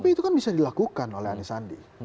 itu kan bisa dilakukan oleh anis andi